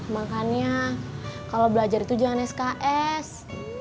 makanya kalau belajar itu jangan sks